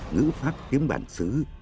ngữ pháp tiếng bản xứ